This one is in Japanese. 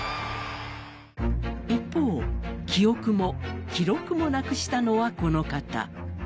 一方、記憶も記録もなくしたのはこの方。